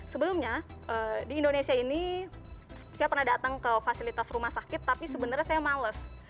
sebelumnya di indonesia ini saya pernah datang ke fasilitas rumah sakit tapi sebenarnya saya males